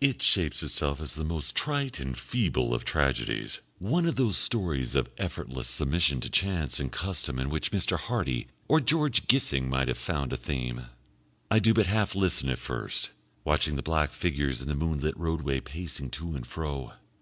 It shapes itself as the most trite and feeble of tragedies, one of those stories of effortless submission to chance and custom in which Mr. Hardy or George Gissing might have found a theme. I do but half listen at first watching the black figures in the moonlit roadway pacing to and fro.